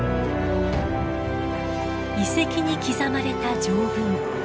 遺跡に刻まれた条文。